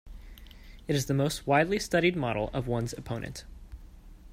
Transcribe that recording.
It is the most widely studied model of one's opponent.